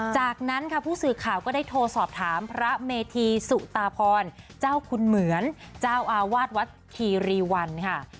จากนั้นค่ะผู้สื่อข่าวก็ได้โทรสอบถามพระเมธีสุตาพรเจ้าคุณเหมือนเจ้าอาวาสวัดคีรีวันค่ะ